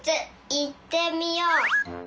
いってみよっ！